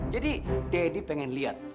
jadi daddy ingin lihat